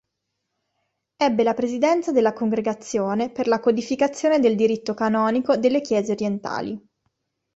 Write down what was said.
Ebbe la presidenza della Congregazione per la codificazione del diritto canonico delle Chiese orientali.